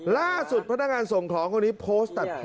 พนักงานส่งของคนนี้โพสต์ตัดพอ